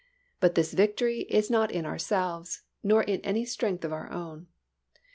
But this victory is not in ourselves, nor in any strength of our own.